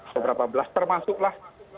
seberapa belas termasuklah